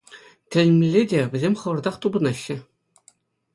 Тӗлӗнмелле те -- вӗсем хӑвӑртах тупӑнаҫҫӗ.